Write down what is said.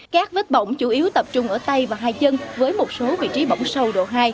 các vết bỏng chủ yếu tập trung ở tay và hai chân với một số vị trí bỏng sâu độ hai